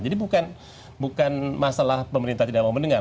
jadi bukan masalah pemerintah tidak mau mendengar